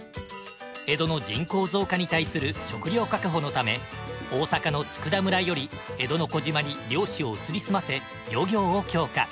江戸の人口増加に対する食料確保のため大阪の佃村より江戸の小島に漁師を移り住ませ漁業を強化。